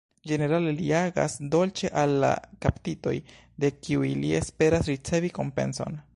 Ĝenerale, li agas dolĉe al la kaptitoj, de kiuj li esperas ricevi kompenson.